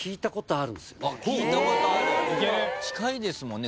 近いですもんね。